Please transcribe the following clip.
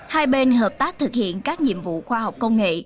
hai bên hợp tác thực hiện các nhiệm vụ khoa học công nghệ